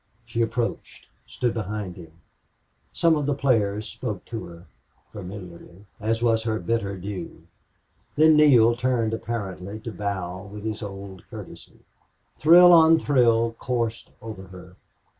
She approached stood behind him. Some of the players spoke to her, familiarly, as was her bitter due. Then Neale turned apparently to bow with his old courtesy. Thrill on thrill coursed over her.